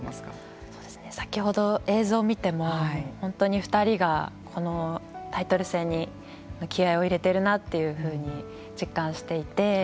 先ほど映像を見ても本当に２人がこのタイトル戦に気合いを入れてるなというふうに実感していて。